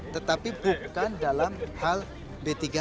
tetapi bukan dalam hal b tiga nya